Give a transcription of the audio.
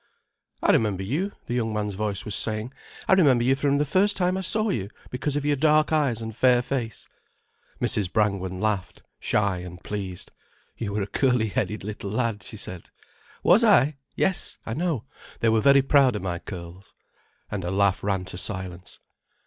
"I remember you," the young man's voice was saying. "I remember you from the first time I saw you, because of your dark eyes and fair face." Mrs. Brangwen laughed, shy and pleased. "You were a curly headed little lad," she said. "Was I? Yes, I know. They were very proud of my curls." And a laugh ran to silence.